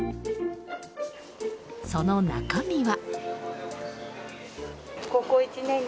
その中身は。